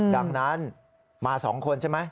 ดังนั้นมา๒คนใช่ไหม